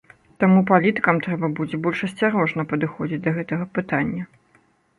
Таму палітыкам трэба будзе больш асцярожна падыходзіць да гэтага пытання.